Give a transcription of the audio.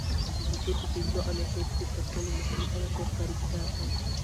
د کیسې په پنځو عناصروکښي ترټولو مهم عناصر کرکټر دئ.